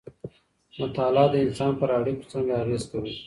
مطالعه د انسان پر اړيکو څنګه اغېز کوي؟